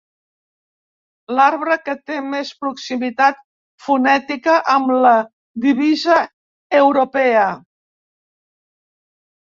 L'arbre que té més proximitat fonètica amb la divisa europea.